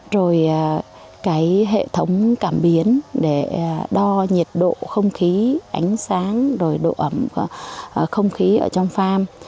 rồi cái hệ thống cảm biến để đo nhiệt độ không khí ánh sáng rồi độ ẩm không khí ở trong farm